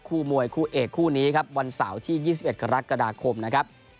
มวยคู่เอกคู่นี้ครับวันเสาร์ที่๒๑กรกฎาคมนะครับ